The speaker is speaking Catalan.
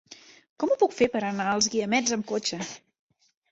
Com ho puc fer per anar als Guiamets amb cotxe?